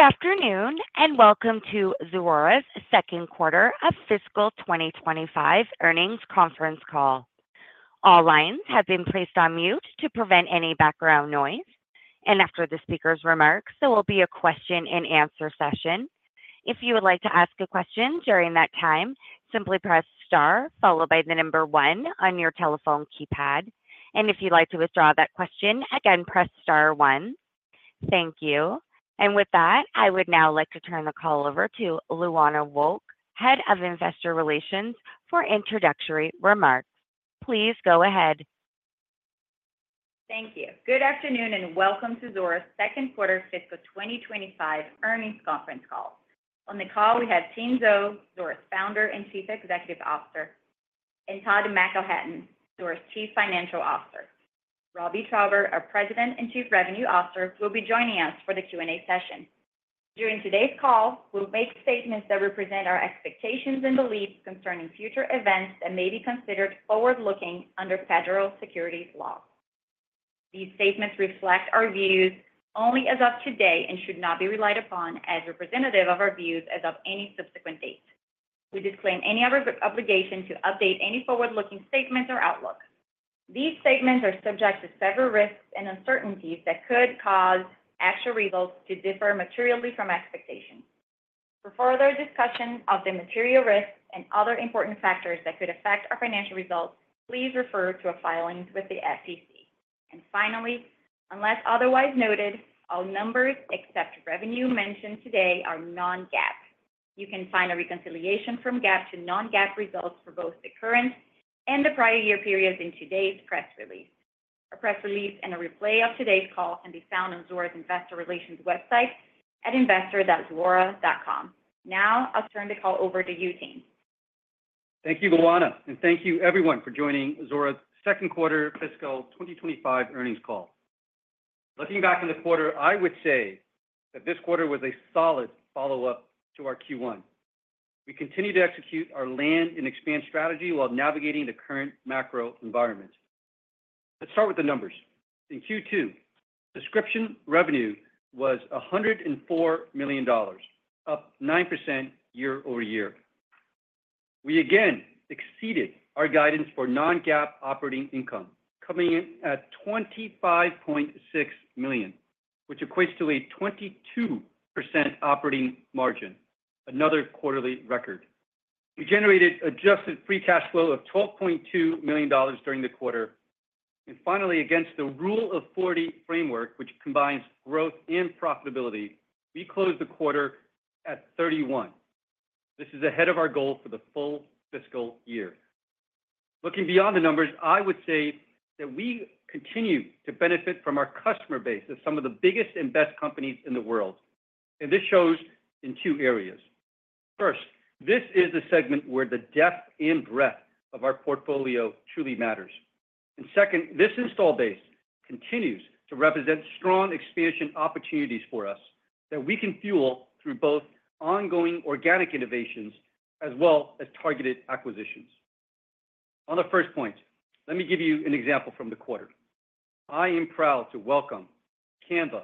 Good afternoon, and welcome to Zuora's second quarter of fiscal twenty twenty-five earnings conference call. All lines have been placed on mute to prevent any background noise, and after the speaker's remarks, there will be a question and answer session. If you would like to ask a question during that time, simply press star followed by the number one on your telephone keypad. And if you'd like to withdraw that question, again, press star one. Thank you. And with that, I would now like to turn the call over to Luana Wolk, Head of Investor Relations, for introductory remarks. Please go ahead. Thank you. Good afternoon, and welcome to Zuora's second quarter fiscal twenty twenty-five earnings conference call. On the call, we have Tien Tzuo, Zuora's Founder and Chief Executive Officer, and Todd McElhatton, Zuora's Chief Financial Officer. Robbie Traube, our President and Chief Revenue Officer, will be joining us for the Q&A session. During today's call, we'll make statements that represent our expectations and beliefs concerning future events that may be considered forward-looking under federal securities law. These statements reflect our views only as of today and should not be relied upon as representative of our views as of any subsequent date. We disclaim any other obligation to update any forward-looking statements or outlook. These statements are subject to several risks and uncertainties that could cause actual results to differ materially from expectations. For further discussion of the material risks and other important factors that could affect our financial results, please refer to our filings with the SEC, and finally, unless otherwise noted, all numbers except revenue mentioned today are non-GAAP. You can find a reconciliation from GAAP to non-GAAP results for both the current and the prior year periods in today's press release. A press release and a replay of today's call can be found on Zuora's Investor Relations website at investor.zuora.com. Now, I'll turn the call over to you, Tien. Thank you, Luana, and thank you everyone for joining Zuora's second quarter fiscal 2025 earnings call. Looking back on the quarter, I would say that this quarter was a solid follow-up to our Q1. We continued to execute our land and expand strategy while navigating the current macro environment. Let's start with the numbers. In Q2, subscription revenue was $104 million, up 9% year-over-year. We again exceeded our guidance for non-GAAP operating income, coming in at $25.6 million, which equates to a 22% operating margin, another quarterly record. We generated adjusted free cash flow of $12.2 million during the quarter. And finally, against the Rule of 40 framework, which combines growth and profitability, we closed the quarter at 31. This is ahead of our goal for the full fiscal year. Looking beyond the numbers, I would say that we continue to benefit from our customer base as some of the biggest and best companies in the world, and this shows in two areas. First, this is a segment where the depth and breadth of our portfolio truly matters. And second, this installed base continues to represent strong expansion opportunities for us that we can fuel through both ongoing organic innovations as well as targeted acquisitions. On the first point, let me give you an example from the quarter. I am proud to welcome Canva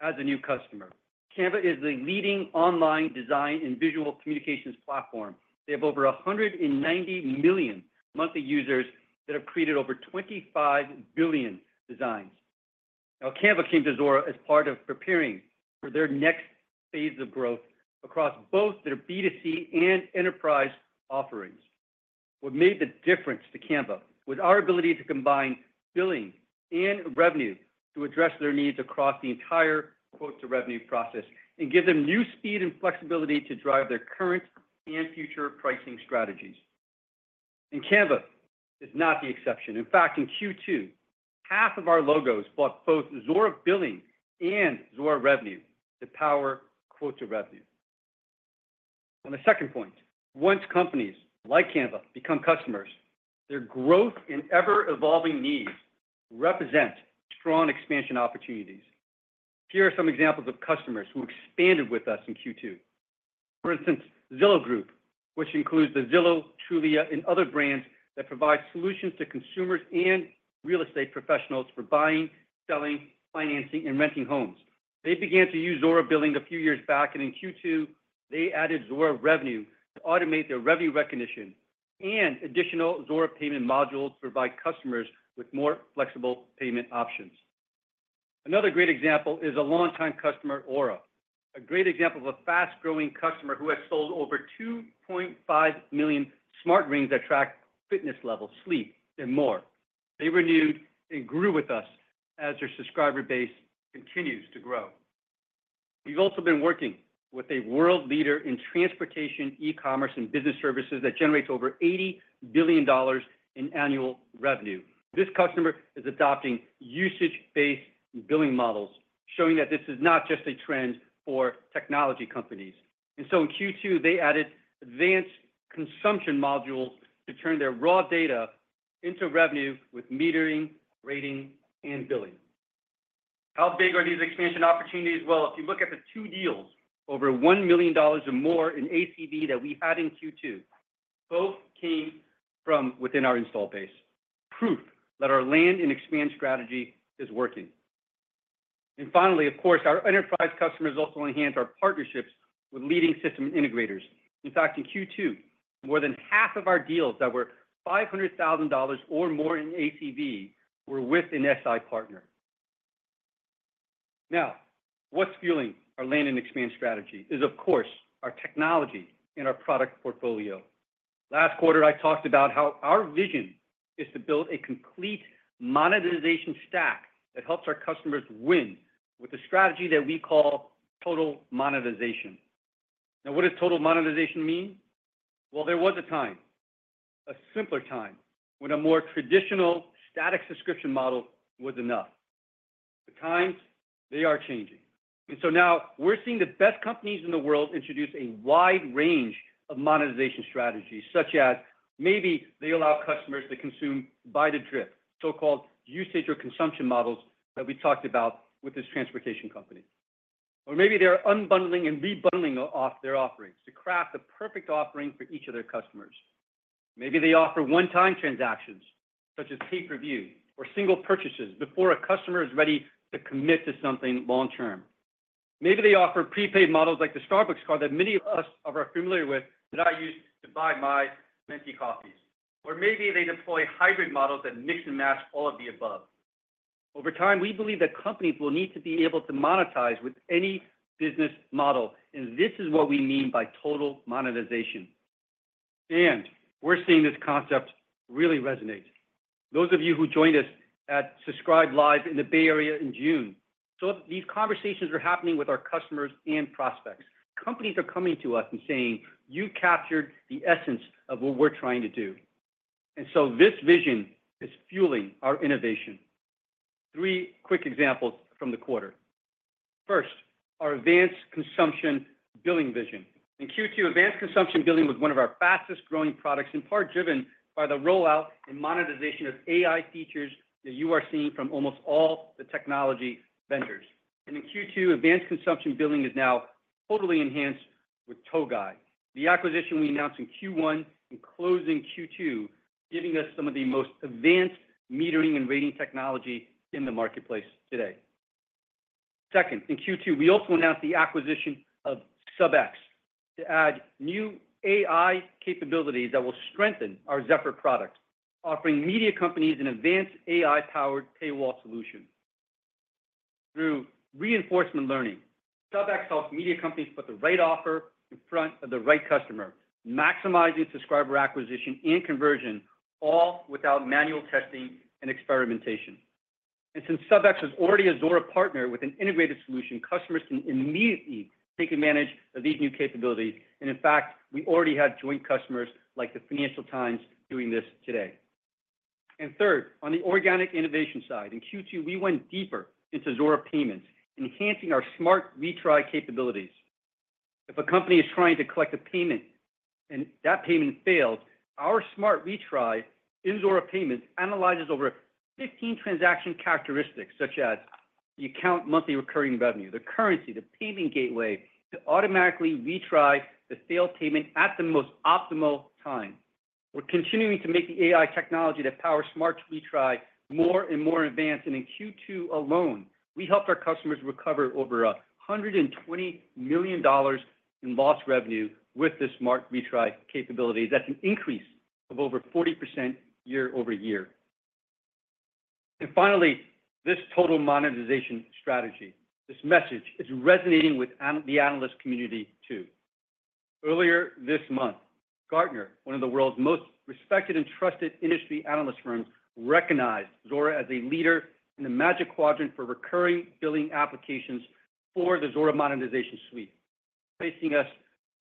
as a new customer. Canva is the leading online design and visual communications platform. They have over 190 million monthly users that have created over 25 billion designs. Now, Canva came to Zuora as part of preparing for their next phase of growth across both their B2C and enterprise offerings. What made the difference to Canva was our ability to combine billing and revenue to address their needs across the entire quote-to-revenue process and give them new speed and flexibility to drive their current and future pricing strategies. And Canva is not the exception. In fact, in Q2, half of our logos bought both Zuora Billing and Zuora Revenue to power quote to revenue. On the second point, once companies like Canva become customers, their growth and ever-evolving needs represent strong expansion opportunities. Here are some examples of customers who expanded with us in Q2. For instance, Zillow Group, which includes the Zillow, Trulia, and other brands that provide solutions to consumers and real estate professionals for buying, selling, financing, and renting homes. They began to use Zuora Billing a few years back, and in Q2, they added Zuora Revenue to automate their revenue recognition and additional Zuora Payments modules to provide customers with more flexible payment options. Another great example is a long-time customer, Oura, a great example of a fast-growing customer who has sold over 2.5 million smart rings that track fitness levels, sleep, and more. They renewed and grew with us as their subscriber base continues to grow. We've also been working with a world leader in transportation, e-commerce, and business services that generates over $80 billion in annual revenue. This customer is adopting usage-based billing models, showing that this is not just a trend for technology companies. And so in Q2, they added advanced consumption modules to turn their raw data into revenue with metering, rating, and billing. How big are these expansion opportunities? If you look at the two deals, over $1 million or more in ACV that we had in Q2. Both came from within our installed base. Proof that our land and expand strategy is working. Finally, of course, our enterprise customers also enhance our partnerships with leading system integrators. In fact, in Q2, more than half of our deals that were $500,000 or more in ACV were with an SI partner. Now, what's fueling our land and expand strategy is, of course, our technology and our product portfolio. Last quarter, I talked about how our vision is to build a complete monetization stack that helps our customers win with a strategy that we call Total Monetization. Now, what does Total Monetization mean? There was a time, a simpler time, when a more traditional static subscription model was enough. The times, they are changing, and so now we're seeing the best companies in the world introduce a wide range of monetization strategies, such as maybe they allow customers to consume by the drip, so-called usage or consumption models that we talked about with this transportation company. Or maybe they're unbundling and rebundling off their offerings to craft the perfect offering for each of their customers. Maybe they offer one-time transactions, such as pay-per-view or single purchases, before a customer is ready to commit to something long term. Maybe they offer prepaid models like the Starbucks card that many of us are familiar with, that I use to buy my venti coffees. Or maybe they deploy hybrid models that mix and match all of the above. Over time, we believe that companies will need to be able to monetize with any business model, and this is what we mean by Total Monetization. And we're seeing this concept really resonate. Those of you who joined us at Subscribed Live in the Bay Area in June saw these conversations are happening with our customers and prospects. Companies are coming to us and saying, "You captured the essence of what we're trying to do." And so this vision is fueling our innovation. Three quick examples from the quarter. First, our Advanced Consumption Billing vision. In Q2, Advanced Consumption Billing was one of our fastest-growing products, in part driven by the rollout and monetization of AI features that you are seeing from almost all the technology vendors. And in Q2, Advanced Consumption Billing is now totally enhanced with Togai. The acquisition we announced in Q1 and closed in Q2, giving us some of the most advanced metering and rating technology in the marketplace today. Second, in Q2, we also announced the acquisition of Sub(x) to add new AI capabilities that will strengthen our Zephr products, offering media companies an advanced AI-powered paywall solution. Through Reinforcement Learning, Sub(x) helps media companies put the right offer in front of the right customer, maximizing subscriber acquisition and conversion, all without manual testing and experimentation, and since Sub(x) is already a Zuora partner with an integrated solution, customers can immediately take advantage of these new capabilities, and in fact, we already have joint customers like the Financial Times doing this today, and third, on the organic innovation side, in Q2, we went deeper into Zuora Payments, enhancing our Smart Retry capabilities. If a company is trying to collect a payment and that payment fails, our Smart Retry in Zuora Payments analyzes over 15 transaction characteristics, such as the account monthly recurring revenue, the currency, the payment gateway, to automatically retry the failed payment at the most optimal time. We're continuing to make the AI technology that powers Smart Retry more and more advanced, and in Q2 alone, we helped our customers recover over $120 million in lost revenue with the Smart Retry capability. That's an increase of over 40% year-over-year. Finally, this Total Monetization strategy, this message, is resonating with the analyst community, too. Earlier this month, Gartner, one of the world's most respected and trusted industry analyst firms, recognized Zuora as a leader in the Magic Quadrant for Recurring Billing Applications for the Zuora Monetization Suite, placing us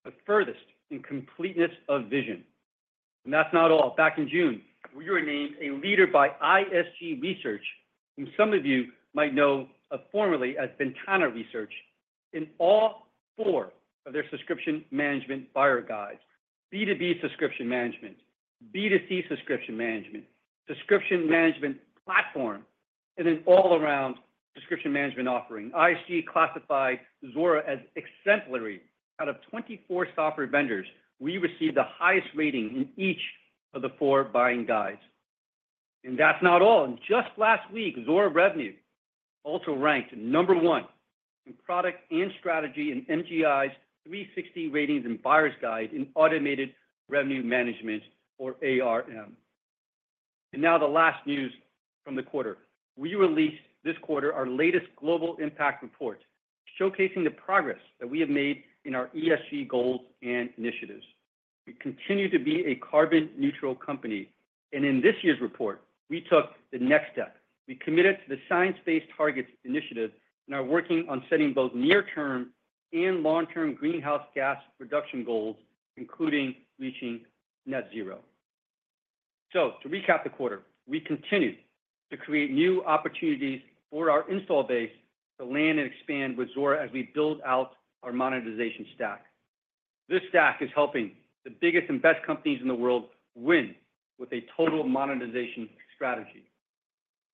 the furthest in completeness of vision. And that's not all. Back in June, we were named a leader by ISG, who some of you might know of formerly as Ventana Research, in all four of their subscription management buyer guides: B2B Subscription Management, B2C Subscription Management, Subscription Management Platform, and an all-around Subscription Management Offering. ISG classified Zuora as exemplary. Out of 24 software vendors, we received the highest rating in each of the four buying guides. And that's not all. Just last week, Zuora Revenue also ranked number one in product and strategy in MGI's 360 Ratings and buyer's guide in Automated Revenue Management or ARM. Now the last news from the quarter. We released this quarter our latest global impact report, showcasing the progress that we have made in our ESG goals and initiatives. We continue to be a carbon neutral company, and in this year's report, we took the next step. We committed to the Science Based Targets initiative and are working on setting both near-term and long-term greenhouse gas reduction goals, including reaching net zero. To recap the quarter, we continued to create new opportunities for our install base to land and expand with Zuora as we build out our monetization stack. This stack is helping the biggest and best companies in the world win with a total monetization strategy....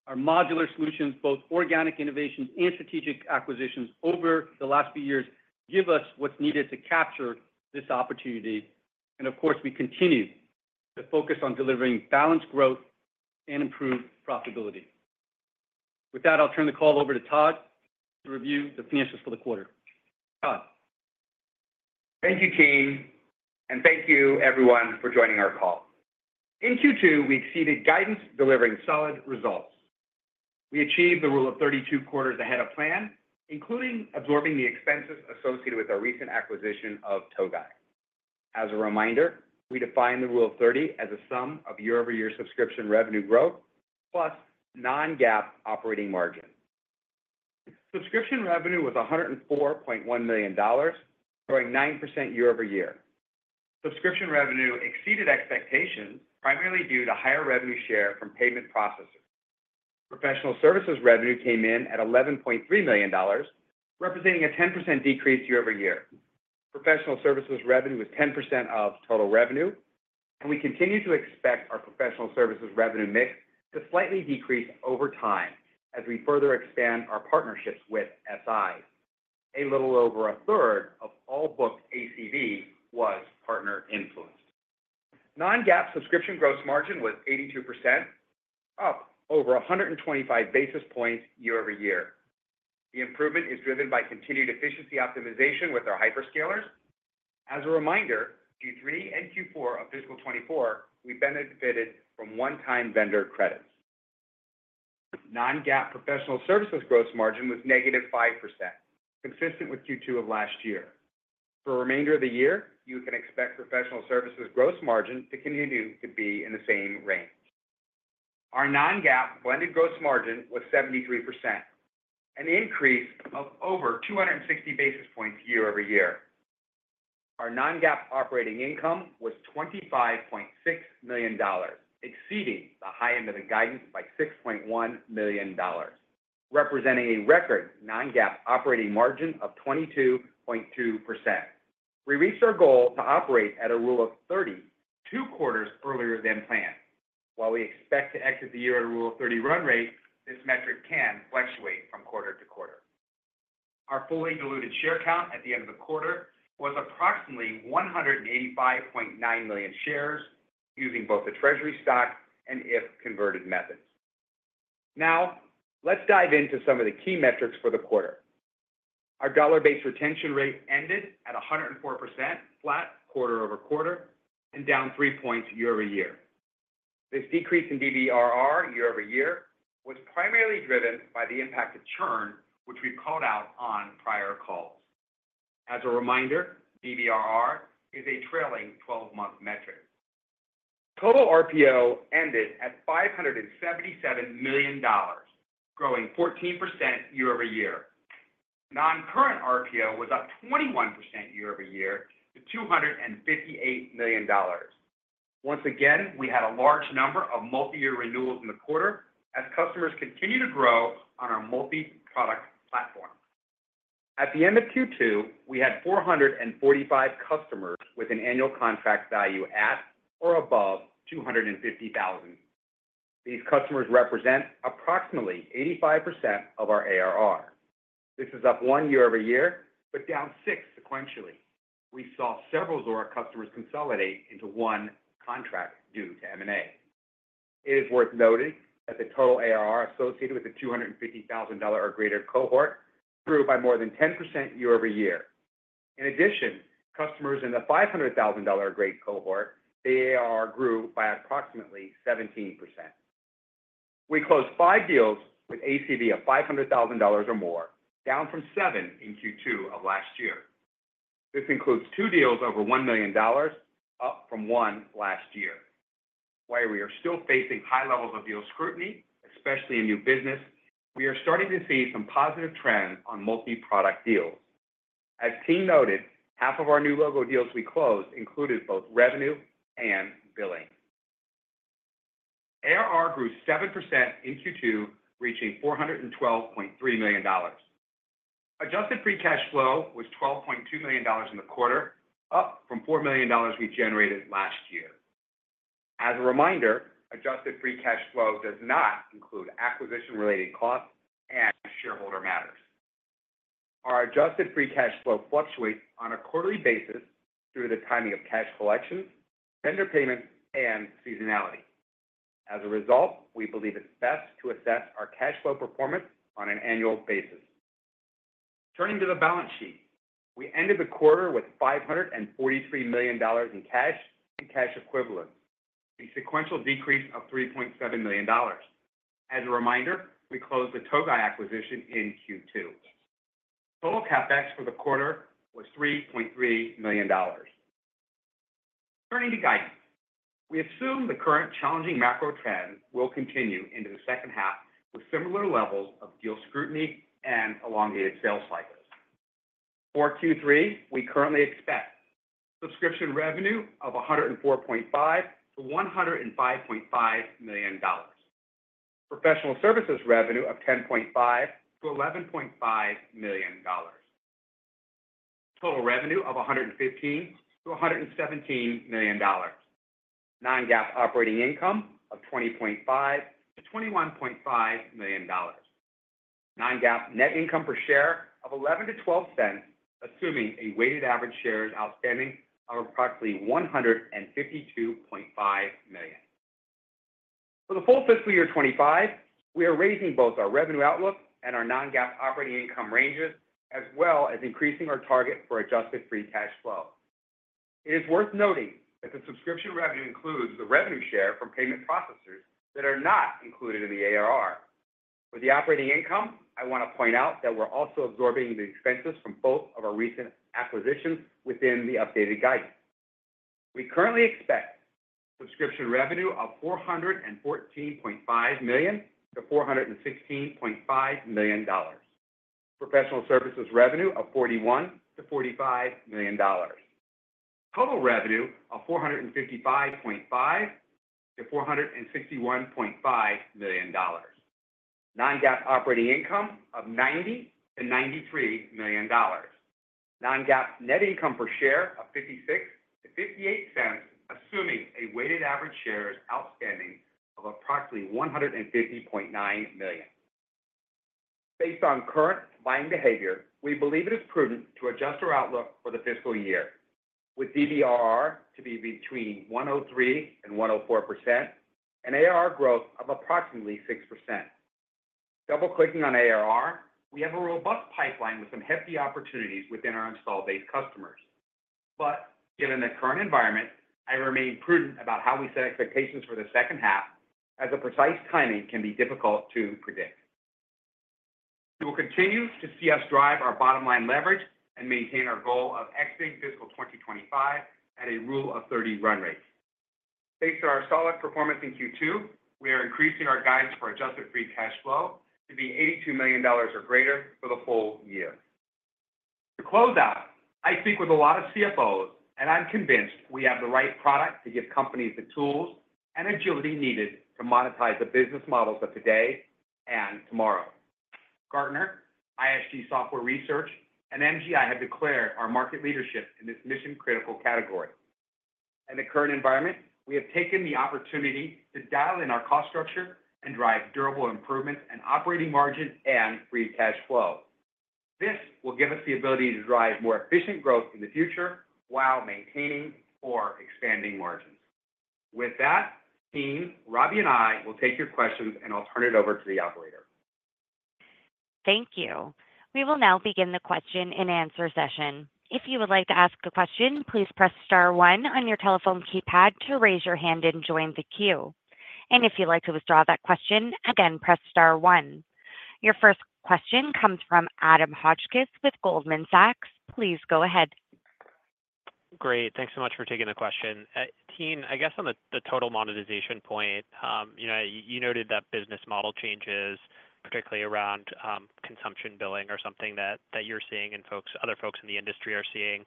Our modular solutions, both organic innovations and strategic acquisitions over the last few years, give us what's needed to capture this opportunity, and of course, we continue to focus on delivering balanced growth and improved profitability. With that, I'll turn the call over to Todd to review the finances for the quarter. Todd? Thank you, Tien, and thank you everyone for joining our call. In Q2, we exceeded guidance, delivering solid results. We achieved the Rule of 30 two quarters ahead of plan, including absorbing the expenses associated with our recent acquisition of Togai. As a reminder, we define the Rule of 30 as a sum of year-over-year subscription revenue growth, plus non-GAAP operating margin. Subscription revenue was $104.1 million, growing 9% year over year. Subscription revenue exceeded expectations, primarily due to higher revenue share from payment processors. Professional services revenue came in at $11.3 million, representing a 10% decrease year over year. Professional services revenue was 10% of total revenue, and we continue to expect our professional services revenue mix to slightly decrease over time as we further expand our partnerships with SI. A little over a third of all booked ACV was partner influenced. Non-GAAP subscription gross margin was 82%, up over 125 basis points year over year. The improvement is driven by continued efficiency optimization with our hyperscalers. As a reminder, Q3 and Q4 of fiscal 2024, we benefited from one-time vendor credits. Non-GAAP professional services gross margin was -5%, consistent with Q2 of last year. For the remainder of the year, you can expect professional services gross margin to continue to be in the same range. Our non-GAAP blended gross margin was 73%, an increase of over 260 basis points year over year. Our non-GAAP operating income was $25.6 million, exceeding the high end of the guidance by $6.1 million, representing a record non-GAAP operating margin of 22.2%. We reached our goal to operate at a Rule of 30, two quarters earlier than planned. While we expect to exit the year at a Rule of 30 run rate, this metric can fluctuate from quarter to quarter. Our fully diluted share count at the end of the quarter was approximately 185.9 million shares, using both the Treasury Stock and If-Converted Methods. Now, let's dive into some of the key metrics for the quarter. Our dollar-based retention rate ended at 104%, flat quarter-over-quarter, and down three points year-over-year. This decrease in DBRR year-over-year was primarily driven by the impact of churn, which we called out on prior calls. As a reminder, DBRR is a trailing twelve-month metric. Total RPO ended at $577 million, growing 14% year-over-year. Non-current RPO was up 21% year-over-year to $258 million. Once again, we had a large number of multi-year renewals in the quarter as customers continue to grow on our multi-product platform. At the end of Q2, we had 445 customers with an annual contract value at or above $250,000. These customers represent approximately 85% of our ARR. This is up 1% year-over-year, but down 6% sequentially. We saw several of our customers consolidate into one contract due to M&A. It is worth noting that the total ARR associated with the $250,000 or greater cohort grew by more than 10% year-over-year. In addition, customers in the $500,000 or greater cohort grew by approximately 17%. We closed five deals with ACV of $500,000 or more, down from seven in Q2 of last year. This includes two deals over $1 million, up from one last year. While we are still facing high levels of deal scrutiny, especially in new business, we are starting to see some positive trends on multi-product deals. As Tien noted, half of our new logo deals we closed included both revenue and billing. ARR grew 7% in Q2, reaching $412.3 million. Adjusted free cash flow was $12.2 million in the quarter, up from $4 million we generated last year. As a reminder, adjusted free cash flow does not include acquisition-related costs and shareholder matters. Our adjusted free cash flow fluctuates on a quarterly basis through the timing of cash collections, vendor payments, and seasonality. As a result, we believe it's best to assess our cash flow performance on an annual basis. Turning to the balance sheet, we ended the quarter with $543 million in cash and cash equivalents, a sequential decrease of $3.7 million. As a reminder, we closed the Togai acquisition in Q2. Total CapEx for the quarter was $3.3 million. Turning to guidance, we assume the current challenging macro trends will continue into the second half with similar levels of deal scrutiny and elongated sales cycles. For Q3, we currently expect subscription revenue of $104.5-$105.5 million, professional services revenue of $10.5-$11.5 million, total revenue of $115-$117 million. Non-GAAP operating income of $20.5 million-$21.5 million. Non-GAAP net income per share of $0.11-$0.12, assuming a weighted average shares outstanding of approximately 152.5 million. For the full fiscal year 2025, we are raising both our revenue outlook and our non-GAAP operating income ranges, as well as increasing our target for adjusted free cash flow. It is worth noting that the subscription revenue includes the revenue share from payment processors that are not included in the ARR. For the operating income, I want to point out that we're also absorbing the expenses from both of our recent acquisitions within the updated guidance. We currently expect subscription revenue of $414.5 million-$416.5 million. Professional services revenue of $41-$45 million. Total revenue of $455.5-$461.5 million. Non-GAAP operating income of $90-$93 million. Non-GAAP net income per share of $0.56-$0.58, assuming a weighted average shares outstanding of approximately 150.9 million. Based on current buying behavior, we believe it is prudent to adjust our outlook for the fiscal year, with DBRR to be between 103% and 104%, and ARR growth of approximately 6%. Double-clicking on ARR, we have a robust pipeline with some hefty opportunities within our installed base customers. But given the current environment, I remain prudent about how we set expectations for the second half, as the precise timing can be difficult to predict. You will continue to see us drive our bottom-line leverage and maintain our goal of exiting fiscal 2025 at a Rule of 30 run rate. Based on our solid performance in Q2, we are increasing our guidance for adjusted free cash flow to be $82 million or greater for the whole year. To close out, I speak with a lot of CFOs, and I'm convinced we have the right product to give companies the tools and agility needed to monetize the business models of today and tomorrow. Gartner, ISG, and MGI have declared our market leadership in this mission-critical category. In the current environment, we have taken the opportunity to dial in our cost structure and drive durable improvement in operating margin and free cash flow. This will give us the ability to drive more efficient growth in the future while maintaining or expanding margins. With that, Tien, Robbie and I will take your questions, and I'll turn it over to the operator. Thank you. We will now begin the question-and-answer session. If you would like to ask a question, please press star one on your telephone keypad to raise your hand and join the queue. And if you'd like to withdraw that question, again, press star one. Your first question comes from Adam Hotchkiss with Goldman Sachs. Please go ahead. Great. Thanks so much for taking the question. Tien, I guess on the total monetization point, you know, you noted that business model changes, particularly around consumption billing or something that you're seeing and other folks in the industry are seeing.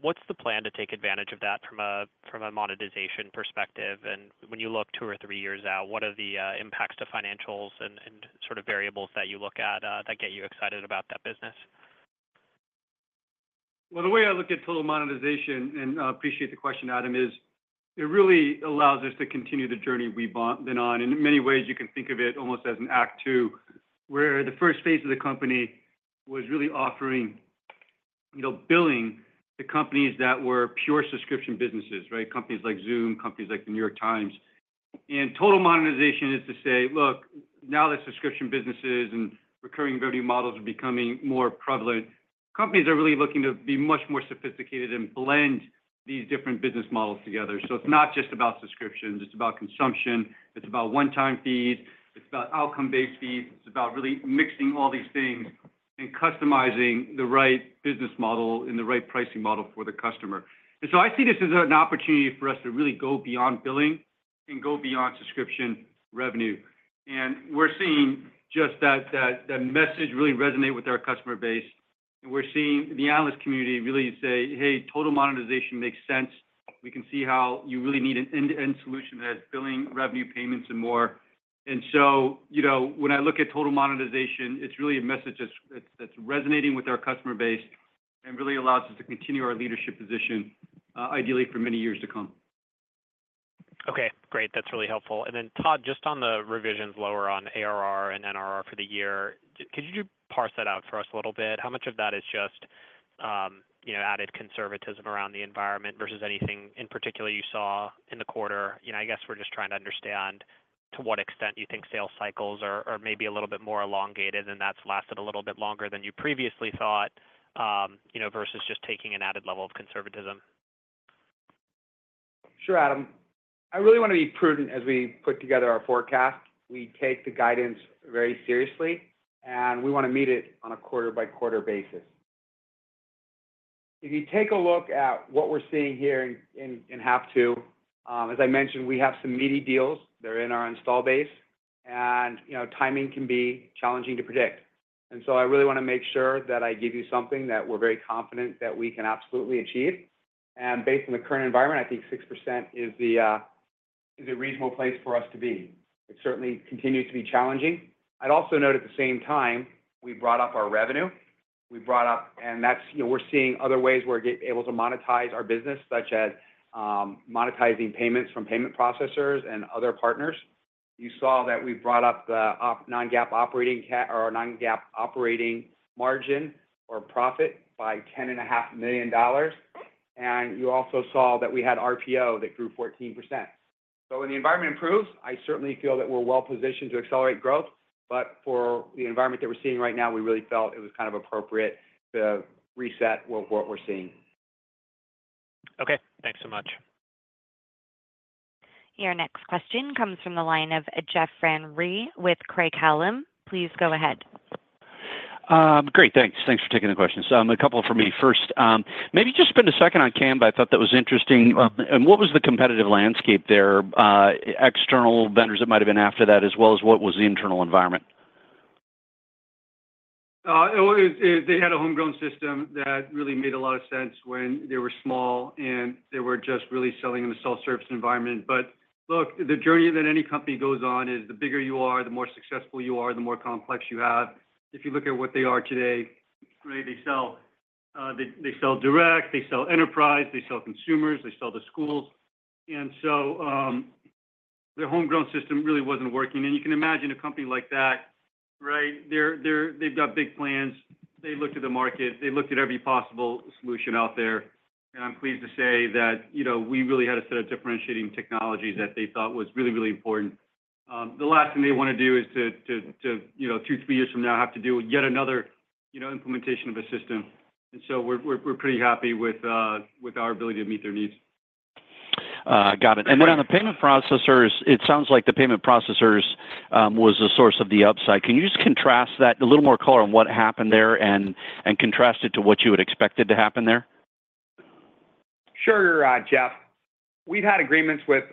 What's the plan to take advantage of that from a monetization perspective? And when you look two or three years out, what are the impacts to financials and sort of variables that you look at that get you excited about that business? The way I look at total monetization, and I appreciate the question, Adam, is it really allows us to continue the journey we've been on. In many ways, you can think of it almost as an act two, where the first phase of the company was really offering, you know, billing to companies that were pure subscription businesses, right? Companies like Zoom, companies like the New York Times. And total monetization is to say, look, now that subscription businesses and recurring revenue models are becoming more prevalent, companies are really looking to be much more sophisticated and blend these different business models together. So it's not just about subscriptions, it's about consumption, it's about one-time fees, it's about outcome-based fees, it's about really mixing all these things and customizing the right business model and the right pricing model for the customer. And so I see this as an opportunity for us to really go beyond billing and go beyond subscription revenue. And we're seeing just that message really resonate with our customer base. And we're seeing the analyst community really say, "Hey, Total Monetization makes sense. We can see how you really need an end-to-end solution that has billing, revenue, payments, and more." And so, you know, when I look at Total Monetization, it's really a message that's resonating with our customer base and really allows us to continue our leadership position, ideally for many years to come. Okay, great. That's really helpful. And then, Todd, just on the revisions lower on ARR and NRR for the year, could you just parse that out for us a little bit? How much of that is just, you know, added conservatism around the environment versus anything in particular you saw in the quarter? You know, I guess we're just trying to understand to what extent you think sales cycles are maybe a little bit more elongated, and that's lasted a little bit longer than you previously thought, you know, versus just taking an added level of conservatism. Sure, Adam. I really want to be prudent as we put together our forecast. We take the guidance very seriously, and we want to meet it on a quarter-by-quarter basis. If you take a look at what we're seeing here in half two, as I mentioned, we have some meaty deals that are in our install base, and you know, timing can be challenging to predict. And so I really want to make sure that I give you something that we're very confident that we can absolutely achieve. And based on the current environment, I think 6% is a reasonable place for us to be. It certainly continues to be challenging. I'd also note, at the same time, we brought up our revenue. We brought up, and that's, you know, we're seeing other ways we're able to monetize our business, such as, monetizing payments from payment processors and other partners. You saw that we brought up the non-GAAP operating margin or profit by $10.5 million, and you also saw that we had RPO that grew 14%. So when the environment improves, I certainly feel that we're well positioned to accelerate growth, but for the environment that we're seeing right now, we really felt it was kind of appropriate to reset what we're seeing. Okay. Thanks so much. Your next question comes from the line of Jeff Van Rhee with Craig-Hallum. Please go ahead. Great. Thanks. Thanks for taking the questions. A couple for me. First, maybe just spend a second on Canva. I thought that was interesting. And what was the competitive landscape there, external vendors that might have been after that, as well as what was the internal environment? It was, they had a homegrown system that really made a lot of sense when they were small, and they were just really selling in the self-service environment. But look, the journey that any company goes on is the bigger you are, the more successful you are, the more complex you have. If you look at what they are today, right, they sell, they sell direct, they sell enterprise, they sell consumers, they sell to schools. And so, their homegrown system really wasn't working. And you can imagine a company like that, right, they've got big plans, they've looked at the market, they looked at every possible solution out there, and I'm pleased to say that, you know, we really had a set of differentiating technologies that they thought was really, really important. The last thing they wanna do is to, you know, two, three years from now, have to do yet another, you know, implementation of a system. And so we're pretty happy with our ability to meet their needs. Got it. Great. And then on the payment processors, it sounds like the payment processors was the source of the upside. Can you just contrast that? A little more color on what happened there and contrast it to what you had expected to happen there. Sure, Jeff. We've had agreements with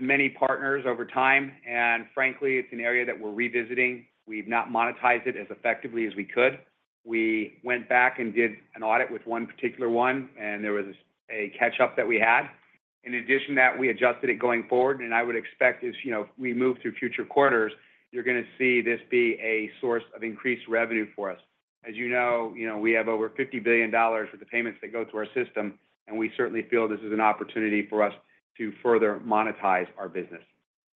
many partners over time, and frankly, it's an area that we're revisiting. We've not monetized it as effectively as we could. We went back and did an audit with one particular one, and there was a catch-up that we had. In addition to that, we adjusted it going forward, and I would expect as you know, we move through future quarters, you're gonna see this be a source of increased revenue for us. As you know, we have over $50 billion for the payments that go through our system, and we certainly feel this is an opportunity for us to further monetize our business.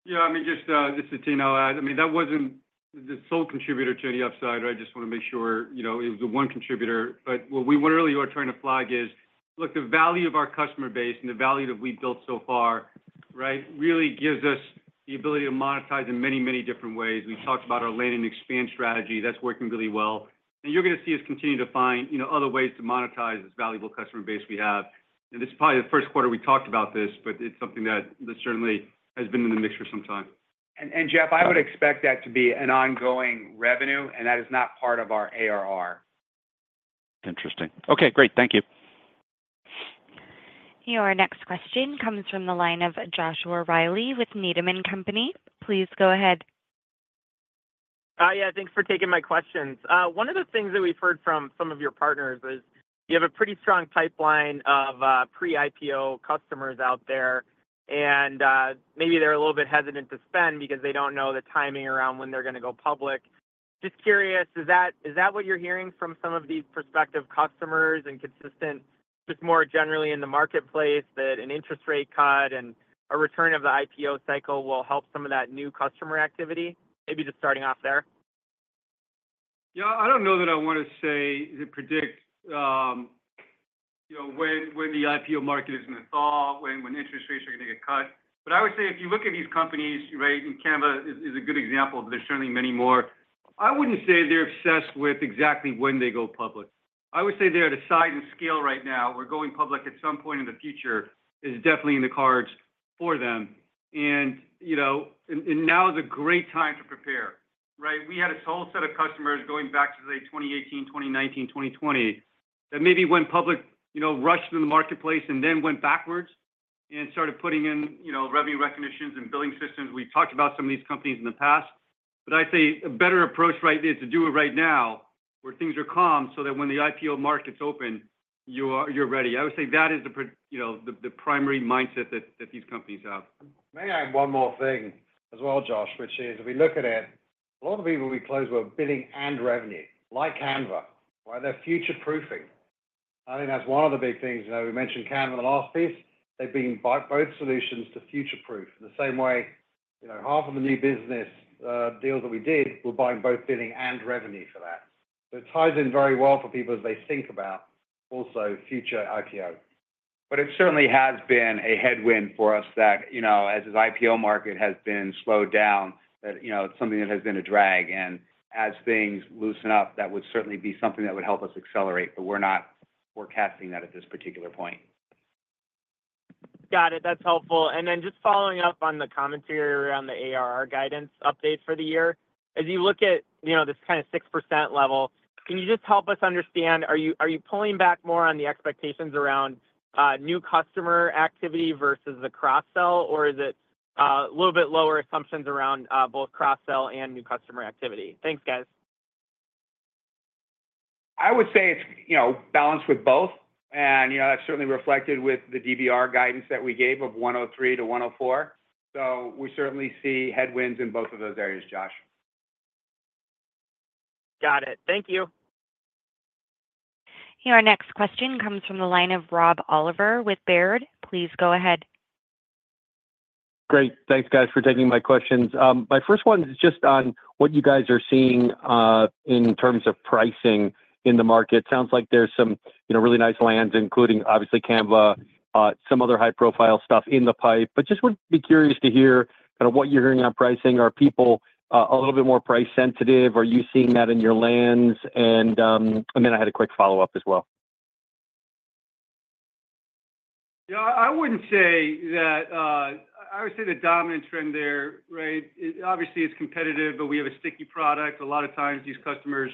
Yeah, I mean, just to, you know, add, I mean, that wasn't the sole contributor to the upside, I just wanna make sure, you know, it was the one contributor. But what we really are trying to flag is, look, the value of our customer base and the value that we've built so far, right, really gives us the ability to monetize in many, many different ways. We talked about our land and expand strategy, that's working really well. And you're gonna see us continue to find, you know, other ways to monetize this valuable customer base we have. And this is probably the first quarter we talked about this, but it's something that certainly has been in the mix for some time. Jeff, I would expect that to be an ongoing revenue, and that is not part of our ARR. Interesting. Okay, great. Thank you. Your next question comes from the line of Joshua Reilly with Needham & Company. Please go ahead. Yeah, thanks for taking my questions. One of the things that we've heard from some of your partners is, you have a pretty strong pipeline of pre-IPO customers out there, and maybe they're a little bit hesitant to spend because they don't know the timing around when they're gonna go public. Just curious, is that what you're hearing from some of these prospective customers and consistent, just more generally in the marketplace, that an interest rate cut and a return of the IPO cycle will help some of that new customer activity? Maybe just starting off there. Yeah, I don't know that I wanna say to predict, you know, when the IPO market is gonna thaw, when interest rates are gonna get cut. But I would say, if you look at these companies, right, and Canva is a good example, but there's certainly many more, I wouldn't say they're obsessed with exactly when they go public. I would say they're at a size and scale right now, where going public at some point in the future is definitely in the cards for them. And, you know, now is a great time to prepare, right? We had a whole set of customers going back to, say, 2018, 2019, 2020, that maybe went public, you know, rushed in the marketplace and then went backwards and started putting in, you know, revenue recognitions and billing systems. We've talked about some of these companies in the past, but I'd say a better approach right there is to do it right now, where things are calm, so that when the IPO markets open, you're ready. I would say that is, you know, the primary mindset that these companies have. May I add one more thing as well, Josh, which is, if we look at it, a lot of people we close with billing and revenue, like Canva, right? They're future-proofing. I think that's one of the big things. You know, we mentioned Canva in the last piece. They've been buying both solutions to future-proof, the same way, you know, half of the new business deals that we did, were buying both billing and revenue for that. So it ties in very well for people as they think about also future IPO. But it certainly has been a headwind for us that, you know, as the IPO market has been slowed down, that, you know, it's something that has been a drag. And as things loosen up, that would certainly be something that would help us accelerate, but we're not forecasting that at this particular point. Got it. That's helpful. And then just following up on the commentary around the ARR guidance update for the year. As you look at, you know, this kinda 6% level, can you just help us understand, are you pulling back more on the expectations around new customer activity versus the cross-sell, or is it a little bit lower assumptions around both cross-sell and new customer activity? Thanks, guys. I would say it's, you know, balanced with both, and, you know, that's certainly reflected with the DBRR guidance that we gave of 103%-104%. So we certainly see headwinds in both of those areas, Josh. Got it. Thank you. Your next question comes from the line of Rob Oliver with Baird. Please go ahead. Great. Thanks, guys, for taking my questions. My first one is just on what you guys are seeing in terms of pricing in the market. Sounds like there's some, you know, really nice lands, including obviously, Canva, some other high-profile stuff in the pipe. But just would be curious to hear kind of what you're hearing on pricing. Are people a little bit more price sensitive? Are you seeing that in your lands? And then I had a quick follow-up as well. Yeah, I wouldn't say that. I would say the dominant trend there, right? Obviously, it's competitive, but we have a sticky product. A lot of times these customers,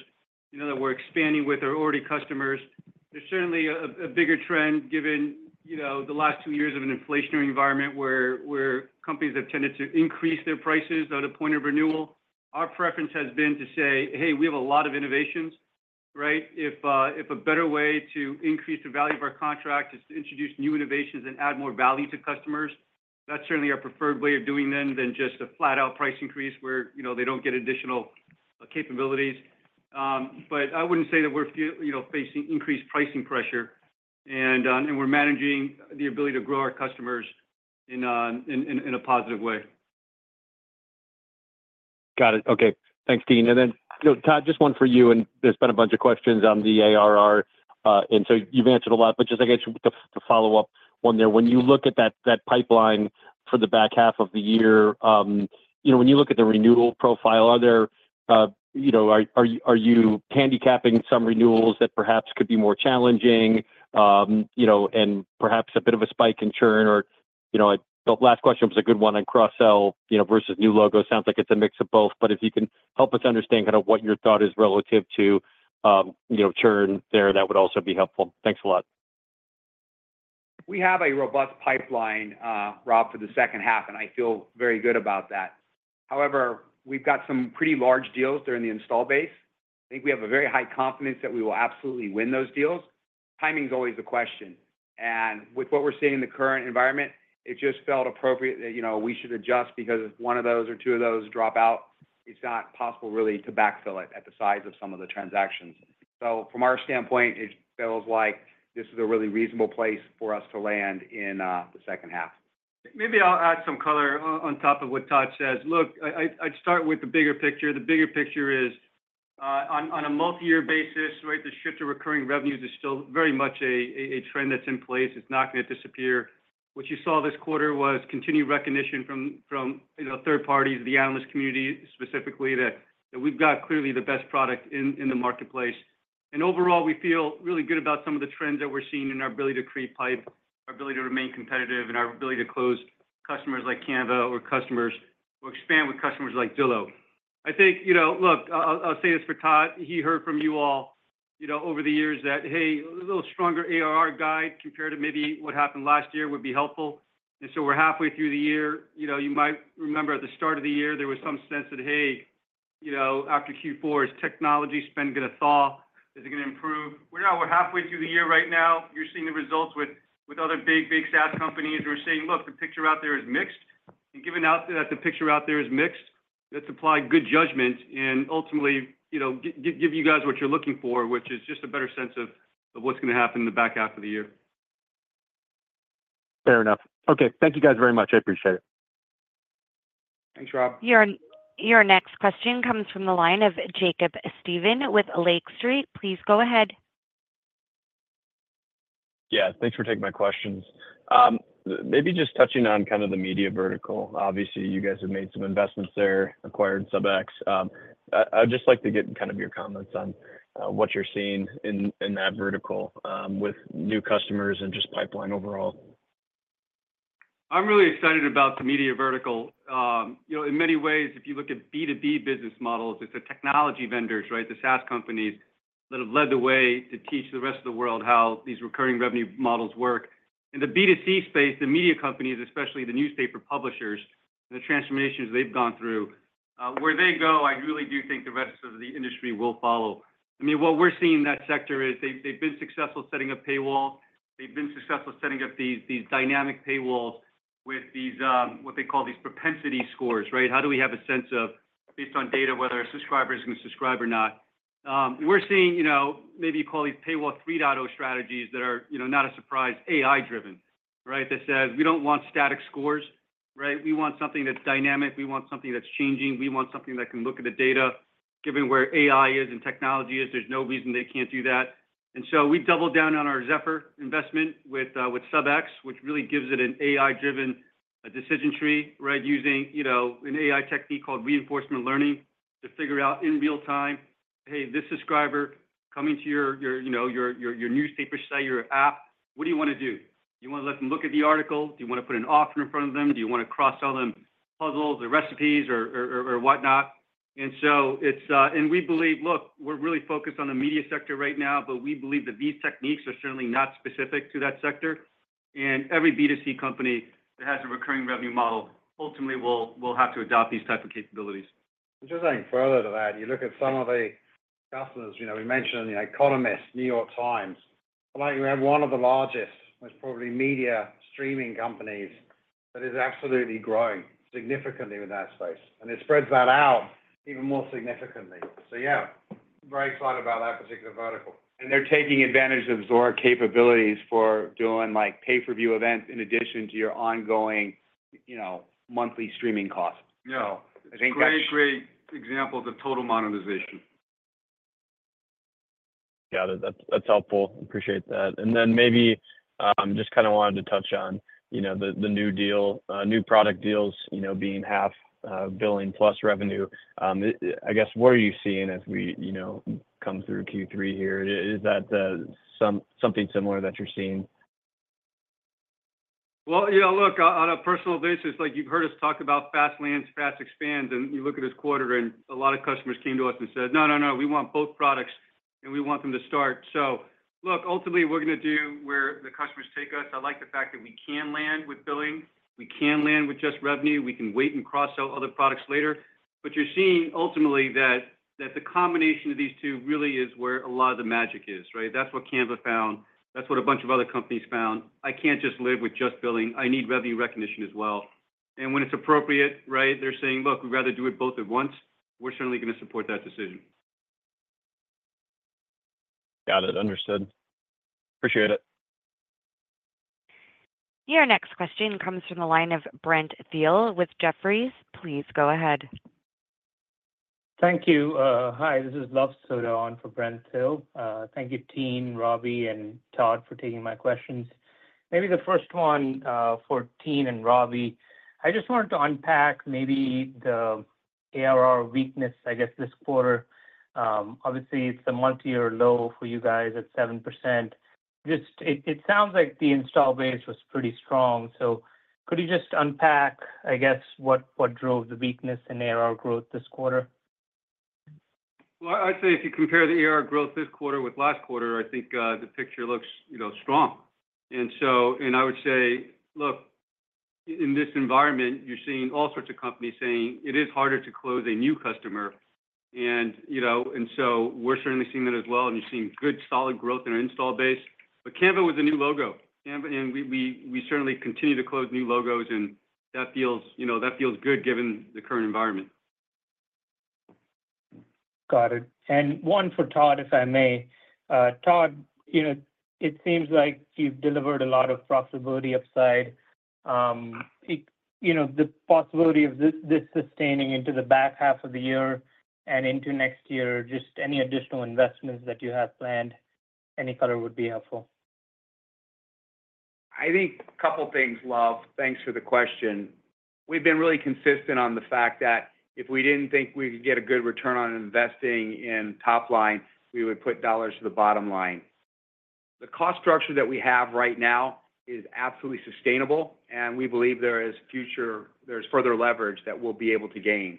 you know, that we're expanding with are already customers. There's certainly a bigger trend, given, you know, the last two years of an inflationary environment where companies have tended to increase their prices at a point of renewal. Our preference has been to say, "Hey, we have a lot of innovations," right? If a better way to increase the value of our contract is to introduce new innovations and add more value to customers, that's certainly our preferred way of doing then than just a flat-out price increase where, you know, they don't get additional capabilities. But I wouldn't say that we're facing you know, increased pricing pressure, and we're managing the ability to grow our customers in a positive way. Got it. Okay. Thanks, Dean. And then, Todd, just one for you, and there's been a bunch of questions on the ARR, and so you've answered a lot, but just, I guess, the follow-up on there. When you look at that pipeline for the back half of the year, you know, when you look at the renewal profile, are there, you know, are you handicapping some renewals that perhaps could be more challenging, you know, and perhaps a bit of a spike in churn or, you know, the last question was a good one on cross-sell, you know, versus new logo. Sounds like it's a mix of both, but if you can help us understand kind of what your thought is relative to, you know, churn there, that would also be helpful. Thanks a lot. We have a robust pipeline, Rob, for the second half, and I feel very good about that. However, we've got some pretty large deals that are in the install base. I think we have a very high confidence that we will absolutely win those deals. Timing is always a question, and with what we're seeing in the current environment, it just felt appropriate that, you know, we should adjust because if one of those or two of those drop out, it's not possible really to backfill it at the size of some of the transactions. So from our standpoint, it feels like this is a really reasonable place for us to land in, the second half. Maybe I'll add some color on top of what Todd says. Look, I'd start with the bigger picture. The bigger picture is on a multi-year basis, right, the shift to recurring revenues is still very much a trend that's in place. It's not gonna disappear. What you saw this quarter was continued recognition from you know, third parties, the analyst community, specifically, that we've got clearly the best product in the marketplace. And overall, we feel really good about some of the trends that we're seeing in our ability to create pipe, our ability to remain competitive, and our ability to close customers like Canva or expand with customers like Zillow. I think, you know, look, I'll say this for Todd. He heard from you all, you know, over the years that, hey, a little stronger ARR guide compared to maybe what happened last year would be helpful. And so we're halfway through the year. You know, you might remember at the start of the year, there was some sense that, hey, you know, after Q4, is technology spend gonna thaw? Is it gonna improve? We're now halfway through the year right now. You're seeing the results with other big SaaS companies who are saying, "Look, the picture out there is mixed." And given that the picture out there is mixed, let's apply good judgment and ultimately, you know, give you guys what you're looking for, which is just a better sense of what's gonna happen in the back half of the year. Fair enough. Okay, thank you, guys, very much. I appreciate it. Thanks, Rob. Your next question comes from the line of Jacob Stephan with Lake Street. Please go ahead. Yeah, thanks for taking my questions. Maybe just touching on kind of the media vertical. Obviously, you guys have made some investments there, acquired Sub(x). I'd just like to get kind of your comments on what you're seeing in that vertical with new customers and just pipeline overall. I'm really excited about the media vertical. You know, in many ways, if you look at B2B business models, it's the technology vendors, right, the SaaS companies, that have led the way to teach the rest of the world how these recurring revenue models work. In the B2C space, the media companies, especially the newspaper publishers, and the transformations they've gone through, I really do think the rest of the industry will follow. I mean, what we're seeing in that sector is they've been successful setting up paywall. They've been successful setting up these dynamic paywalls with these what they call propensity scores, right? How do we have a sense of, based on data, whether a subscriber is going to subscribe or not? We're seeing, you know, maybe you call these paywall 3.0 strategies that are, you know, not a surprise, AI-driven, right? That says, we don't want static scores, right? We want something that's dynamic, we want something that's changing, we want something that can look at the data. Given where AI is and technology is, there's no reason they can't do that. And so we've doubled down on our Zephr investment with Sub(x), which really gives it an AI-driven decision tree, right? Using, you know, an AI technique called reinforcement learning to figure out in real time, hey, this subscriber coming to your newspaper site, your app, what do you wanna do? Do you want to let them look at the article? Do you want to put an offer in front of them? Do you want to cross-sell them puzzles or recipes or whatnot? And so it's, and we believe, look, we're really focused on the media sector right now, but we believe that these techniques are certainly not specific to that sector.... and every B2C company that has a recurring revenue model, ultimately will have to adopt these type of capabilities. Just adding further to that, you look at some of the customers, you know, we mentioned The Economist, New York Times. Like, we have one of the largest, most probably media streaming companies, that is absolutely growing significantly with our space, and it spreads that out even more significantly. So yeah, very excited about that particular vertical. They're taking advantage of Zuora capabilities for doing, like, pay-per-view events in addition to your ongoing, you know, monthly streaming costs. Yeah. I think that's- Great, great example of Total Monetization. Got it. That's, that's helpful. Appreciate that. And then maybe, just kinda wanted to touch on, you know, the, the new deal, new product deals, you know, being half, billing plus revenue. I guess, where are you seeing as we, you know, come through Q3 here? Is that, something similar that you're seeing? Yeah, look, on a personal basis, like you've heard us talk about fast lands, fast expands, and you look at this quarter and a lot of customers came to us and said, "No, no, no, we want both products, and we want them to start." So look, ultimately, we're gonna do where the customers take us. I like the fact that we can land with billing, we can land with just revenue, we can wait and cross-sell other products later. But you're seeing ultimately that the combination of these two really is where a lot of the magic is, right? That's what Canva found. That's what a bunch of other companies found. I can't just live with just billing. I need revenue recognition as well. And when it's appropriate, right, they're saying, "Look, we'd rather do it both at once." We're certainly gonna support that decision. Got it. Understood. Appreciate it. Your next question comes from the line of Brent Thill with Jefferies. Please go ahead. Thank you. Hi, this is Luv Sodha on for Brent Thill. Thank you, Tien, Robbie, and Todd, for taking my questions. Maybe the first one, for Tien and Robbie, I just wanted to unpack maybe the ARR weakness, I guess, this quarter. Obviously, it's a multi-year low for you guys at 7%. Just it sounds like the install base was pretty strong, so could you just unpack, I guess, what drove the weakness in ARR growth this quarter? I'd say if you compare the ARR growth this quarter with last quarter, I think the picture looks, you know, strong. And I would say, look, in this environment, you're seeing all sorts of companies saying it is harder to close a new customer. And, you know, and so we're certainly seeing that as well, and you're seeing good, solid growth in our install base. But Canva was a new logo. Canva, and we certainly continue to close new logos, and that feels, you know, good given the current environment. Got it. And one for Todd, if I may. Todd, you know, it seems like you've delivered a lot of profitability upside. You know, the possibility of this sustaining into the back half of the year and into next year, just any additional investments that you have planned, any color would be helpful? I think a couple things, Luv. Thanks for the question. We've been really consistent on the fact that if we didn't think we could get a good return on investing in top line, we would put dollars to the bottom line. The cost structure that we have right now is absolutely sustainable, and we believe there's further leverage that we'll be able to gain.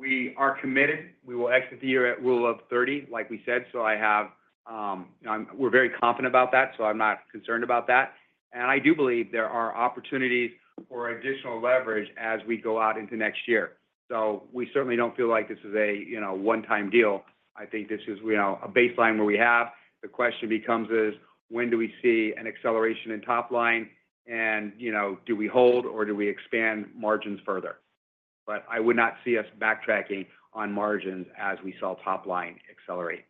We are committed. We will exit the year at Rule of 30, like we said. So we're very confident about that, so I'm not concerned about that. And I do believe there are opportunities for additional leverage as we go out into next year. So we certainly don't feel like this is a, you know, one-time deal. I think this is, you know, a baseline where we have. The question becomes, is: when do we see an acceleration in top line? And, you know, do we hold or do we expand margins further? But I would not see us backtracking on margins as we saw top line accelerate.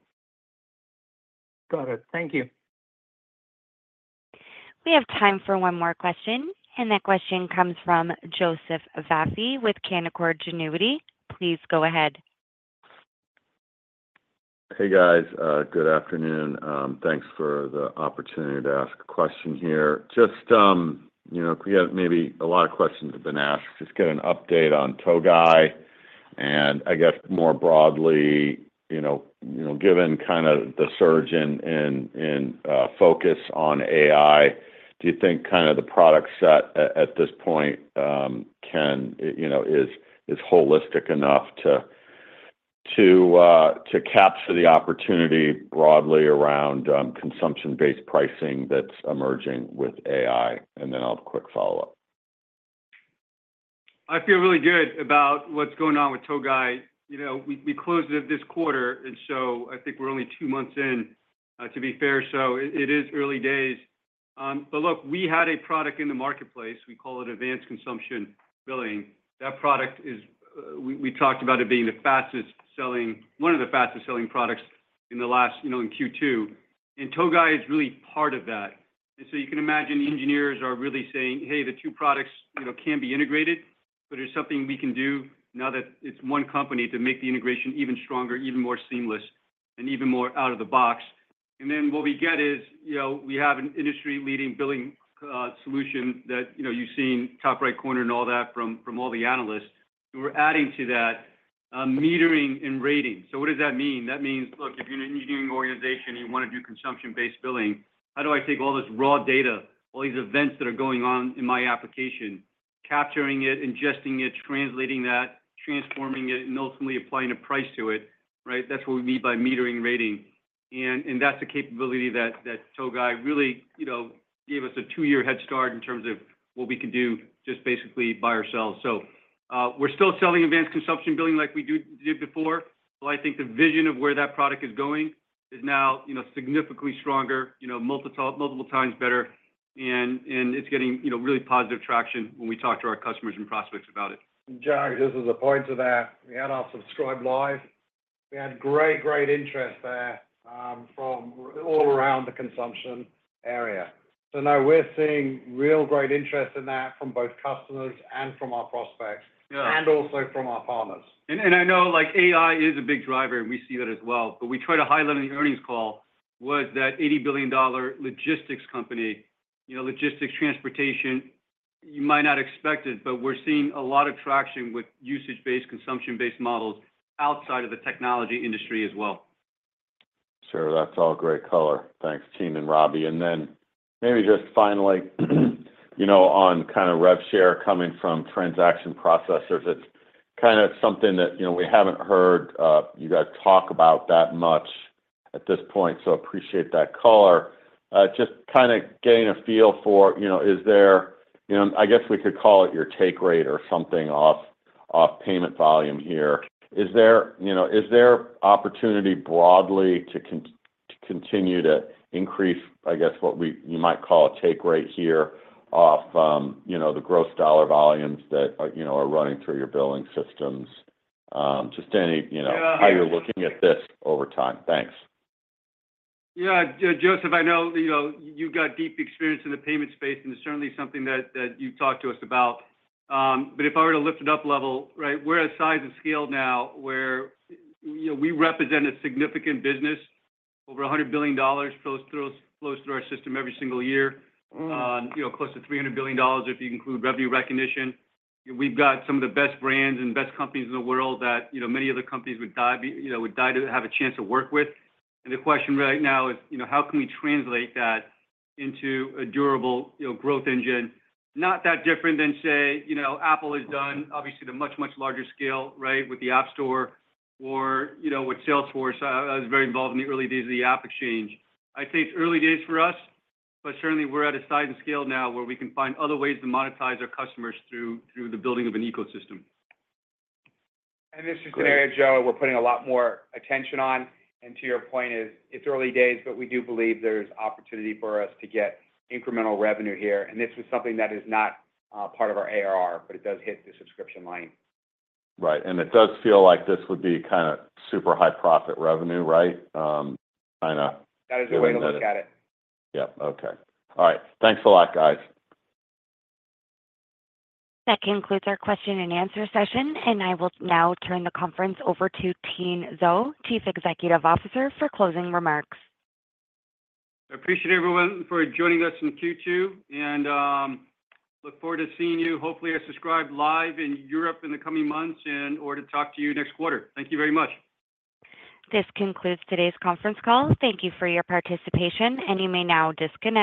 Got it. Thank you. We have time for one more question, and that question comes from Joseph Vafi with Canaccord Genuity. Please go ahead. Hey, guys. Good afternoon. Thanks for the opportunity to ask a question here. Just, you know, we have maybe a lot of questions have been asked, just get an update on Togai, and I guess more broadly, you know, given kinda the surge in in focus on AI, do you think kinda the product set at this point can, you know, is holistic enough to capture the opportunity broadly around consumption-based pricing that's emerging with AI? And then I'll have a quick follow-up. I feel really good about what's going on with Togai. You know, we closed it this quarter, and so I think we're only two months in, to be fair, so it is early days, but look, we had a product in the marketplace, we call it Advanced Consumption Billing. That product is. We talked about it being the fastest-selling, one of the fastest-selling products in the last, you know, in Q2, and Togai is really part of that. So you can imagine the engineers are really saying, "Hey, the two products, you know, can be integrated, but there's something we can do now that it's one company, to make the integration even stronger, even more seamless, and even more out of the box." Then what we get is, you know, we have an industry-leading billing solution that, you know, you've seen top right corner and all that from all the analysts. We're adding to that, metering and rating. What does that mean? That means, look, if you're an engineering organization and you wanna do consumption-based billing, how do I take all this raw data, all these events that are going on in my application? Capturing it, ingesting it, translating that, transforming it, and ultimately applying a price to it, right? That's what we mean by metering and rating, and that's the capability that Togai really, you know, gave us a two-year head start in terms of what we can do just basically by ourselves. So, we're still selling Advanced Consumption Billing like we did before, but I think the vision of where that product is going is now, you know, significantly stronger, you know, multiple times better, and it's getting, you know, really positive traction when we talk to our customers and prospects about it. And Jack, just as a point to that, we had our Subscribed Live. We had great, great interest there, from all around the consumption area. So no, we're seeing real great interest in that from both customers and from our prospects- Yeah And also from our partners. I know, like, AI is a big driver, and we see that as well, but we try to highlight in the earnings call was that $80 billion logistics company, you know, logistics, transportation, you might not expect it, but we're seeing a lot of traction with usage-based, consumption-based models outside of the technology industry as well. Sure, that's all great color. Thanks, Tien and Robbie. And then maybe just finally, you know, on kind of rev share coming from transaction processors, it's kind of something that, you know, we haven't heard you guys talk about that much at this point, so appreciate that color. Just kind of getting a feel for, you know, is there, you know, I guess we could call it your take rate or something off payment volume here. Is there, you know, is there opportunity broadly to continue to increase, I guess, what you might call a take rate here off, you know, the gross dollar volumes that are, you know, are running through your billing systems? Just any, you know, how you're looking at this over time. Thanks. Yeah, Joseph, I know you know you've got deep experience in the payment space, and it's certainly something that you've talked to us about. But if I were to lift it up a level, right, we're at a size and scale now where we represent a significant business. Over $100 billion flows through our system every single year. You know, close to $300 billion, if you include revenue recognition. We've got some of the best brands and best companies in the world that many other companies would die to have a chance to work with. And the question right now is you know how can we translate that into a durable growth engine? Not that different than, say, you know, Apple has done, obviously, the much, much larger scale, right, with the App Store or, you know, with Salesforce. I was very involved in the early days of the AppExchange. I'd say it's early days for us, but certainly we're at a size and scale now where we can find other ways to monetize our customers through the building of an ecosystem. And this is an area, Joe, we're putting a lot more attention on, and to your point, it's early days, but we do believe there's opportunity for us to get incremental revenue here. And this was something that is not part of our ARR, but it does hit the subscription line. Right, and it does feel like this would be kind of super high profit revenue, right? That is a way to look at it. Yeah. Okay. All right. Thanks a lot, guys. That concludes our question and answer session, and I will now turn the conference over to Tien Tzuo, Chief Executive Officer, for closing remarks. I appreciate everyone for joining us in Q2, and look forward to seeing you, hopefully, at Subscribed Live in Europe in the coming months and/or to talk to you next quarter. Thank you very much. This concludes today's conference call. Thank you for your participation, and you may now disconnect.